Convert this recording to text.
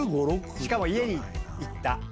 しかも家に行った。